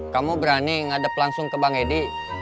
kamu berani ngadep langsung ke bang edi